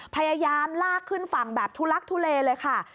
พยายามลากขึ้นฝั่งแบบทุลักทุเลเลยค่ะ